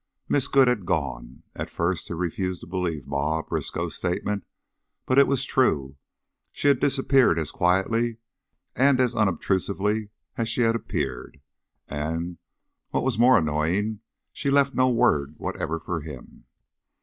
Miss Good had gone. At first he refused to believe Ma Briskow's statement, but it was true: she had disappeared as quietly and as unobtrusively as she had appeared, and, what was more annoying, she had left no word whatever for him.